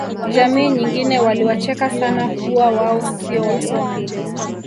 jamii nyingine waliwacheka sana kuwa wao sio wasomi